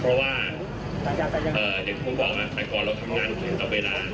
เพราะว่าอย่างที่คุณบอกว่าแต่ก่อนเราทำงานคือต้องเอาเวลา